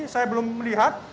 saya belum melihat